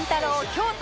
京都